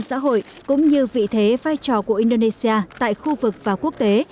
giảm dụng kinh tế bảo đảm an sinh xã hội cũng như vị thế vai trò của indonesia tại khu vực và quốc tế